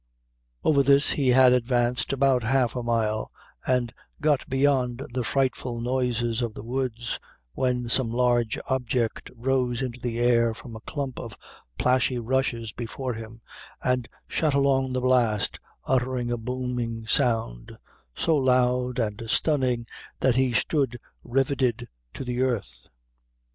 Over this he had advanced about half a mile, and got beyond the frightful noises of the woods, when some large object rose into the air from a clump of plashy rushes before him, and shot along the blast, uttering a booming sound, so loud and stunning that he stood riveted to the earth.